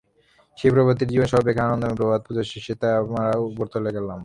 সেই প্রভাতটি জীবনে সর্বাপেক্ষা আনন্দময় প্রভাত! পূজাশেষে আমরা উপর তলায় গেলাম।